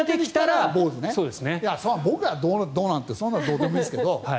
僕は坊主なんてそんなのどうでもいいけど。